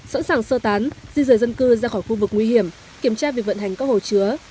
sẵn sàng sơ tán di rời dân cư ra khỏi khu vực nguy hiểm kiểm tra việc vận hành các hồ chứa